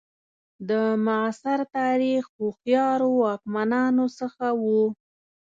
د معاصر تاریخ هوښیارو واکمنانو څخه وو.